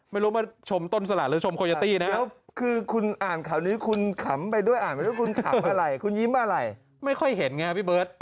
ไม่รู้ว่าชมต้นสละหรือชมโคยตี้นะครับ